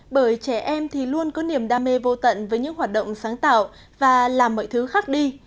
bởi trẻ em thì luôn có niềm đam mê vô tận với những hoạt động sáng tạo và làm mọi thứ khác đi